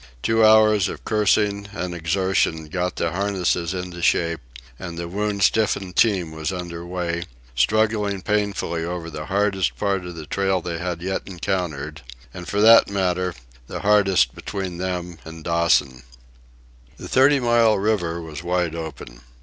Two hours of cursing and exertion got the harnesses into shape, and the wound stiffened team was under way, struggling painfully over the hardest part of the trail they had yet encountered, and for that matter, the hardest between them and Dawson. The Thirty Mile River was wide open.